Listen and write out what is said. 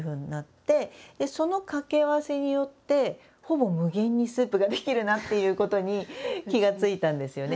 その掛け合わせによってほぼ無限にスープが出来るなっていうことに気が付いたんですよね。